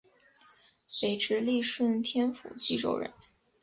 北直隶顺天府蓟州人。